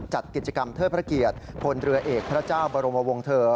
จัดกิจกรรมเทิดพระเกียรติพลเรือเอกพระเจ้าบรมวงเถอร์